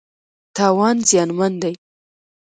تاوان زیانمن دی.